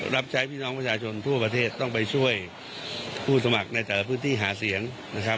รับใช้พี่น้องประชาชนทั่วประเทศต้องไปช่วยผู้สมัครในแต่ละพื้นที่หาเสียงนะครับ